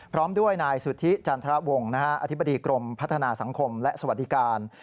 พร้อมด้วยนายสุธิจันทรวงศ์อธิบดีกรมพัฒนาสังคมและสวัสดิการ